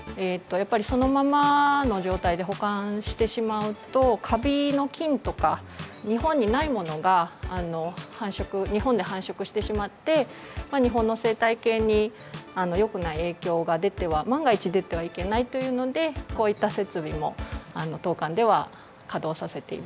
やっぱりそのままの状態で保管してしまうとカビの菌とか日本にないものが繁殖日本で繁殖してしまって日本の生態系によくない影響が出ては万が一出てはいけないっていうのでこういった設備も当館では稼働させています。